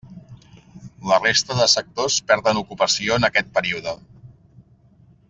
La resta de sectors perden ocupació en aquest període.